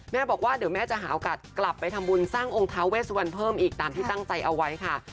บอกว่าเดี๋ยวแม่จะหาโอกาสกลับไปทำบุญสร้างองค์ท้าเวสวันเพิ่มอีกตามที่ตั้งใจเอาไว้ค่ะ